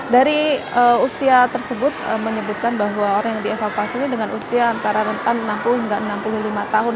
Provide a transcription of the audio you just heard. dari usia tersebut menyebutkan bahwa orang yang dievakuasi ini dengan usia antara rentan enam puluh hingga enam puluh lima tahun